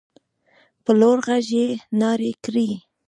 په لوړ غږ يې نارې کړې.